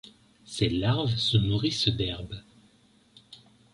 Ses larves se nourrissent d'herbes.